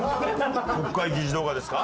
国会議事堂がですか？